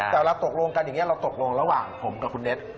แต่เวลาตกลงกันอย่างนี้เราตกลงระหว่างผมกับคุณเน็ต